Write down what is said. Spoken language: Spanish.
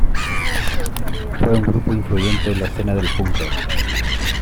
Fue un grupo influyente en la escena del punk rock.